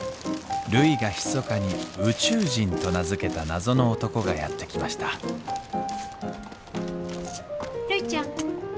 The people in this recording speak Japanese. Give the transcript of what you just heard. るいがひそかに宇宙人と名付けた謎の男がやって来ましたるいちゃん。